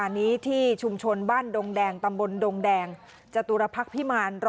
วันเมื่อเช้านี้เลยนะครับบางคนก็แย่ละนะคะ